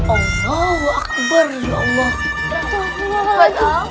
allah akbar ya allah